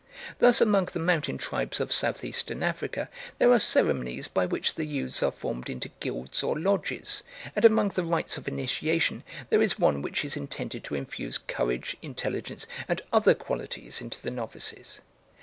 Thus among the mountain tribes of South Eastern Africa there are ceremonies by which the youths are formed into guilds or lodges, and among the rites of initiation there is one which is intended to infuse courage, intelligence, and other qualities into the novices.